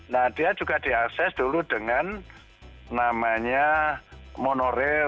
nah dia juga diakses dulu dengan namanya monorail